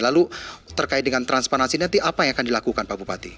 lalu terkait dengan transparansi nanti apa yang akan dilakukan pak bupati